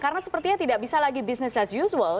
karena sepertinya tidak bisa lagi bisnis as usual